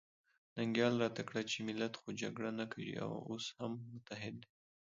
ننګیال راته کړه چې ملت خو جګړه نه کوي او اوس هم متحد دی.